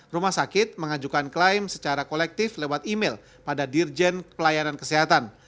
rumah sakit mengajukan klaim secara kolektif lewat email pada dirjen pelayanan kesehatan